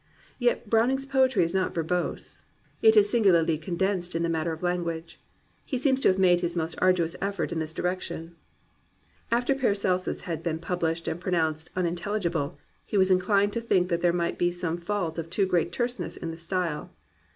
Yet Browning's poetry is not verbose. It is singu larly condensed in the matter of language. He seems to have made his most arduous effort in this direc tion. After Paracelsus had been pubhshed and pronounced "unintelligible," he was inclined to think that there might be some fault of too great terseness in the style.